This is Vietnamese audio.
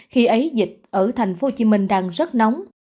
khi ấy dịch ở thành phố hồ chí minh đang rất nóng